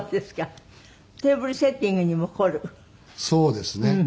そうですか。